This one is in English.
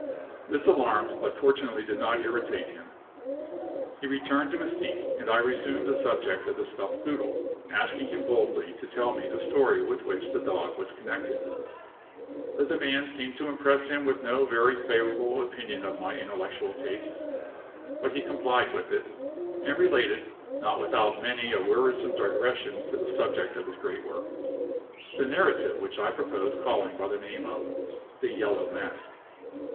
This alarmed, but fortunately did not irritate him. He returned to his seat, and I resumed the subject of the stuffed poodle, asking him boldly to tell me the story with which the dog was connected. The demand seemed to impress him with no very favorable opinion of my intellectual tastes; but he complied with it, and related, not without many a wearisome digression to the subject of his great work, the narrative which I propose calling by the name of "The Yellow Mask."